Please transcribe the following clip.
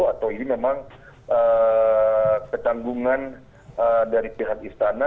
atau ini memang ketanggungan dari pihak istana